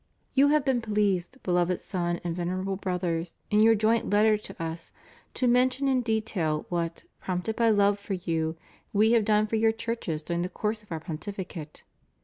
You have been pleased, beloved Son and Venerable Brothers, in your joint letter to Us to mention in detail what, prompted by love for you, We have done for your churches during the course of Our Pontificate.